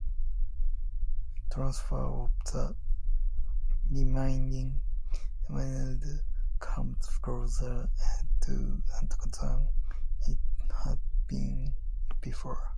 Transfer of the remaining Palestinians comes closer to realization than it had been before.